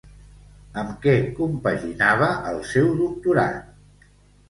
Amb què compaginava el seu doctorat?